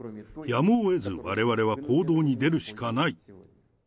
やむをえずわれわれは行動に出るしかない。